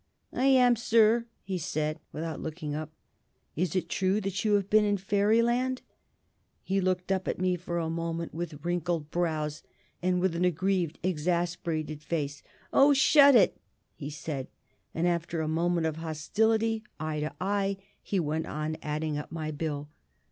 "I am, sir," he said, without looking up. "Is it true that you have been in Fairyland?" He looked up at me for a moment with wrinkled brows, with an aggrieved, exasperated face. "O SHUT it!" he said, and, after a moment of hostility, eye to eye, he went on adding up my bill.